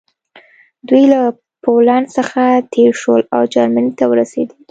دوی له پولنډ څخه تېر شول او جرمني ته ورسېدل